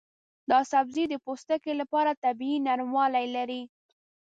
دا سبزی د پوستکي لپاره طبیعي نرموالی لري.